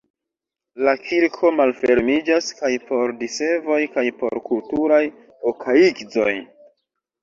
La kirko malfermiĝas kaj por diservoj kaj por kulturaj okaigzoj.